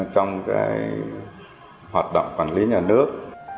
trong cái hoạt động quản lý nhà nước